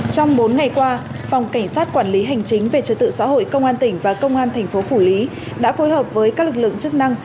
trong bốn ngày qua phòng cảnh sát quản lý hành chính về trật tự xã hội công an tỉnh và công an thành phố phủ lý đã phối hợp với các lực lượng chức năng